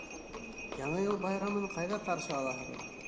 — Яңы йыл байрамын ҡайҙа ҡаршы алаһығыҙ?